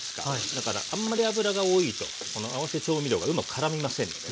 だからあんまり油が多いと合わせ調味料がうまくからみませんので。